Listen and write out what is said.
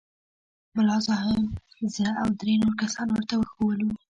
ملا صاحب زه او درې نور کسان ورته وښوولو.